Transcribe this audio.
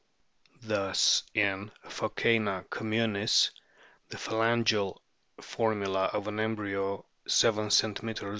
Thus in Phoc&na communis the phalangeal formula of an embryo seven cm.